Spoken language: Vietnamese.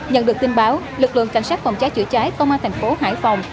nhận được tin báo lực lượng cảnh sát phòng cháy chữa cháy tô ma thành phố hải phòng